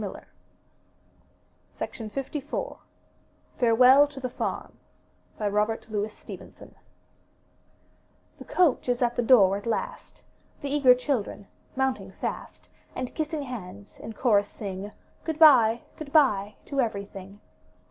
2l6 UP ONE PAIR OF STAIRS FAREWELL TO THE FARM Robert Louis Stevenson The coach is at the door at last; The eager children, mounting fast And kissing hands, in chorus sing: Good bye, good bye, to everything!